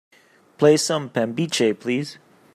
Play some pambiche please